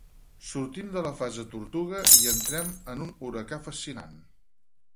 Sortim de la fase tortuga i entrem en un huracà fascinant.